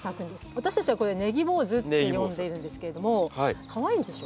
私たちはこれを「ネギ坊主」って呼んでいるんですけれどもかわいいでしょ？